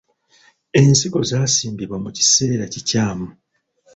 Ensigo zaasimbibwa mu kiseera kikyamu.